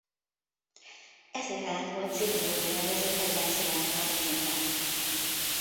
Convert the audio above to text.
Ez a jelenet volt Sidney Lumet rendező kedvenc jelenete a filmben.